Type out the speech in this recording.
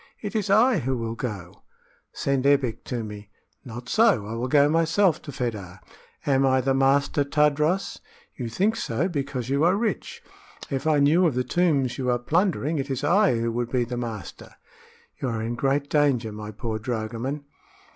It is I who will go!" "Send Ebbek to me." "Not so; I will go myself to Fedah." "Am I the master, Tadros?" "You think so, because you are rich. If I knew of the tombs you are plundering, it is I who would be the master!" "You are in great danger, my poor dragoman."